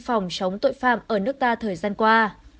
phòng chống tội phạm ở nước ta thời gian qua